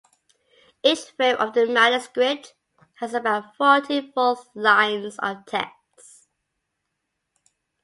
Each frame of the manuscript has about fourteen full lines of text.